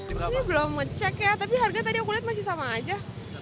ini belum ngecek ya tapi harga tadi aku lihat masih sama aja